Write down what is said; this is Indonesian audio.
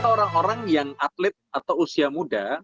orang orang yang atlet atau usia muda